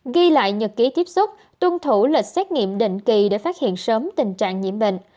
ghi lại nhật ký tiếp xúc tuân thủ lịch xét nghiệm định kỳ để phát hiện sớm tình trạng nhiễm bệnh